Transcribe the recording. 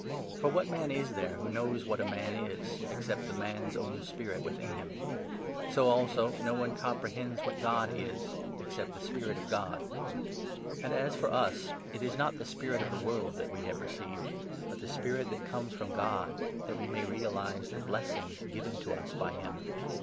For what man is there who knows what a man is, except n the man's own spirit within him ? So, also, no one compre hends what God is, except the Spirit of God. And as for us, 12 it is not the Spirit of the World that we have received, but the Spirit that comes from God, that we may realize the blessings given to us by him.